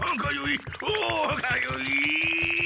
うおかゆい！